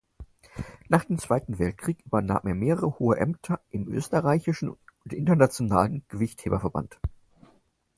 Nach dem Zweiten Weltkrieg übernahm er mehrere hohe Ämter im österreichischen und internationalen Gewichtheberverband.